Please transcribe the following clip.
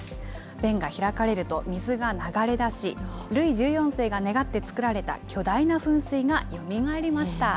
弁が開かれると、水が流れ出し、ルイ１４世が願って作られた巨大な噴水がよみがえりました。